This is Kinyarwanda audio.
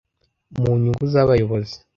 mu nyungu z'abayobozi